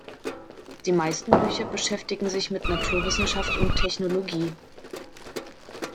Die meisten Bücher beschäftigen sich mit Naturwissenschaft und Technologie.